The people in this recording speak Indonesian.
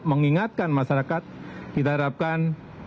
mengingatkan masyarakat kita harapkan